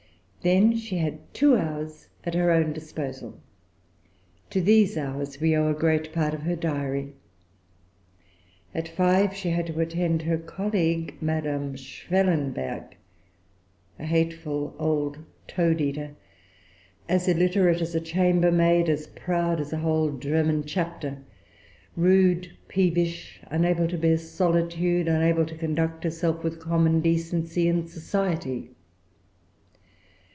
Then she had two hours at her own disposal. To these hours we owe great part of her Diary. At five she had to attend her colleague, Madame Schwellenberg, a hateful old toadeater, as illiterate as a chambermaid, as proud as a whole German Chapter, rude, peevish, unable to bear solitude, unable to conduct herself with common decency in society.